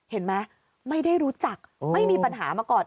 เห็นไหมไม่ได้รู้จักไม่มีปัญหามาก่อน